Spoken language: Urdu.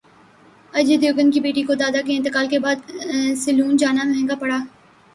اجے دیوگن کی بیٹی کو دادا کے انتقال کے بعد سیلون جانا مہنگا پڑ گیا